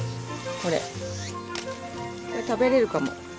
これ食べれるかも。